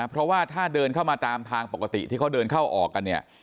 เพราะว่าถ้าเดินเข้ามาตามทางปกติที่เขาเดินเข้าออกกันเนี่ย